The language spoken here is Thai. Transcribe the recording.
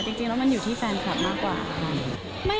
จริงแล้วมันอยู่ที่แฟนคลับมากกว่าค่ะ